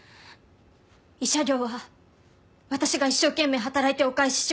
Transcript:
慰謝料は私が一生懸命働いてお返しします。